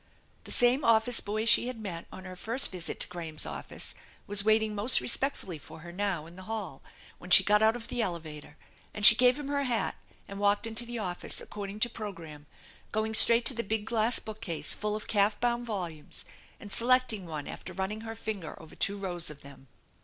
The same office boy she had met on her first visit to Graham's office was waiting most respectfully for her now in the hall when she got out of the elevator, and she gave him her hat and walked into the office according to pro gramme, going straight to the big glass bookcase full of calf bound volumes, and selecting one after running her finger over two rows of them.